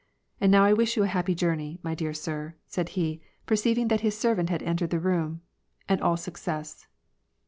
And now I wish you a happy journey, my dear sir/' said he, perceiving that his servant had entered the room, " and all success."